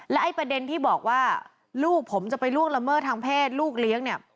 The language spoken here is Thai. ไอ้ประเด็นที่บอกว่าลูกผมจะไปล่วงละเมิดทางเพศลูกเลี้ยงเนี่ย